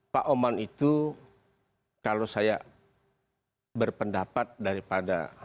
pak oman itu kalau saya berpendapat daripada